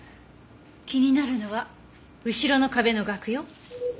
気になるのは後ろの壁の額よ。